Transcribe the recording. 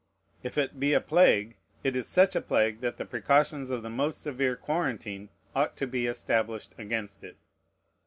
If it be a plague, it is such a plague that the precautions of the most severe quarantine ought to be established against it.